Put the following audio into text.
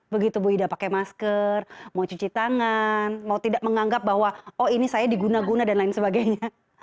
begitu bu ida pakai masker mau cuci tangan mau tidak menganggap bahwa oh ini saya diguna guna dan lain sebagainya